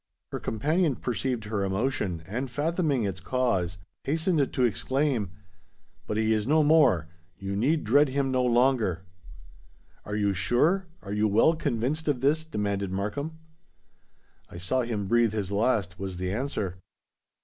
Her companion perceived her emotion, and fathoming its cause, hastened to exclaim, "But he is no more! You need dread him no longer." "Are you sure? are you well convinced of this?" demanded Markham. "I saw him breathe his last," was the answer.